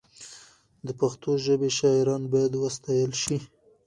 د پښتو ژبې شاعران باید وستایل شي.